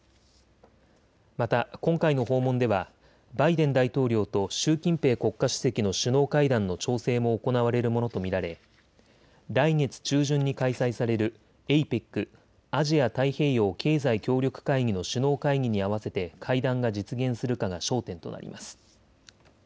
また今回の訪問ではバイデン大統領と習近平国家主席の首脳会談の調整も行われるものと見られ来月中旬に開催されるＡＰＥＣ・アジア太平洋経済協力会議の首脳会議に合わせて会談が実現するかが焦点となります。